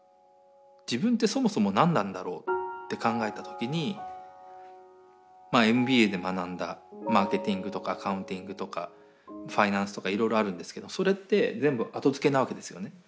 自分ってそもそも何なんだろうって考えた時にＭＢＡで学んだマーケティングとかアカウンティングとかファイナンスとかいろいろあるんですけどそれって全部後付けなわけですよね。